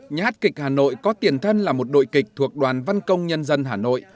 nhà hát kịch hà nội có tiền thân là một đội kịch thuộc đoàn văn công nhân dân hà nội